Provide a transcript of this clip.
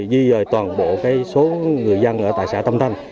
di dời toàn bộ số người dân ở tại xã tâm thanh